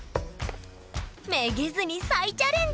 めげずに再チャレンジ！